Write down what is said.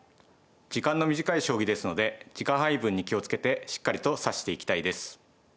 時間の短い将棋ですので時間配分に気を付けてしっかりと指していきたいです。